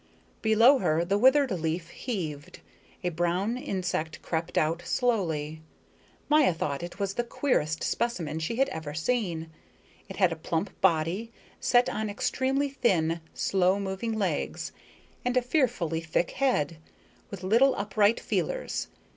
Below her the withered leaf heaved; a brown insect crept out, slowly. Maya thought it was the queerest specimen she had ever seen. It had a plump body, set on extremely thin, slow moving legs, and a fearfully thick head, with little upright feelers.